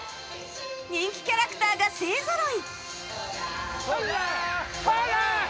人気キャラクターが勢ぞろい。